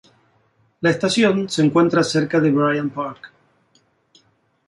La estación se encuentra cerca del Bryant Park.